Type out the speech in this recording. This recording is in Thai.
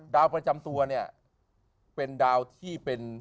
ดาวประจำตัวเนี่ยเป็นดาวที่เป็น